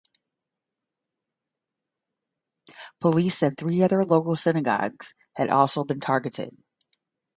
Police said three other local synagogues had also been targeted.